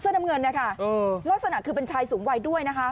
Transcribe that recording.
น้ำเงินนะคะลักษณะคือเป็นชายสูงวัยด้วยนะคะ